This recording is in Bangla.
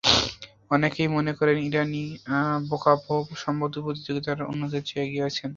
অনেকেই মনে করেন ইরিনা বোকোভা সম্ভবত প্রতিযোগিতায় অন্যদের চেয়ে এগিয়ে আছেন।